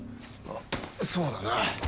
そうだな。